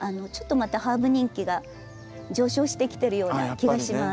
またハーブ人気が上昇してきてるような気がします。